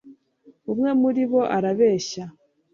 umwe muri bo arabeshya